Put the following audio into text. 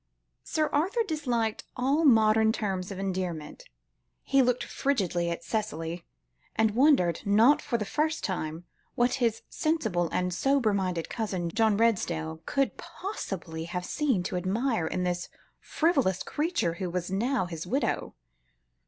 Sir Arthur disliked all modern terms of endearment. He looked frigidly at Cicely; and wondered, not for the first time, what his sensible and sober minded cousin, John Redesdale, could possibly have seen to admire, in this frivolous creature who was now his widow.